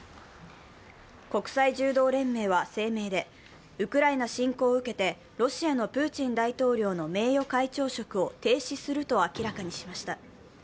国際柔道連盟は声明でウクライナ侵攻を受けてロシアのプーチン大統領の名誉会長職を停止すると明らかにしました。